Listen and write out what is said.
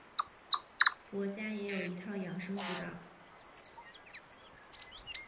佛家也有一套养生之道。